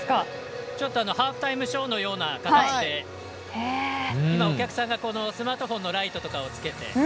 ハーフタイムショーというような形でお客さんがスマートフォンのライトとかをつけて。